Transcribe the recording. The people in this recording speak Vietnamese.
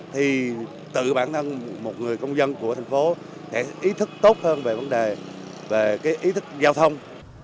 thì tự bản thân một người công dân của thành phố sẽ ý thức tốt hơn về vấn đề về ý thức giao thông